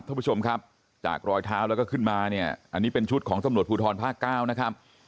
ทุกผู้ชมครับจากรอยเท้าแล้วก็ขึ้นมาอันนี้เป็นชุดของสำรวจภูทรภาคเก้า